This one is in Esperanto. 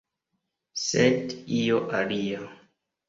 Sed io alia.